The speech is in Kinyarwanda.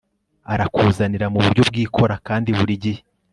arakuzanira mu buryo bwikora kandi burigihe